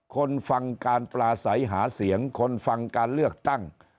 คนฟังการปลาใสหาเสียงคนฟังการเลือกตั้ง